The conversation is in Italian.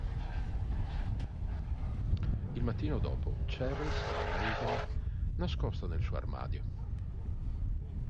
Il mattino dopo Cheryl trova Heaven nascosta nel suo armadio.